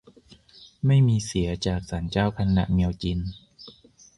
ไม่มีเสีย จากศาลเจ้าคันดะเมียวจิน